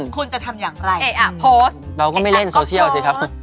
คุณจะทำอย่างไรโพสต์เราก็ไม่เล่นโซเชียลสิครับ